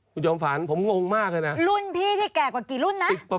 คุณจอมฝันผมงงมากเลยนะรุ่นพี่ที่แก่กว่ากี่รุ่นนะ